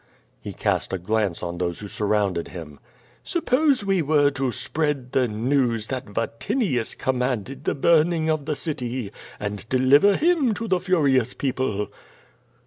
He cast a glance on those who surrounded him. "Suppose we were to spread the news, that Vatinius com manded the burning of the city, and deliver him to the furious people?"